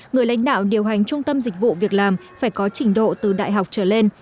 người lãnh đạo điều hành trung tâm dịch vụ việc làm phải có trình độ từ đại học trở lên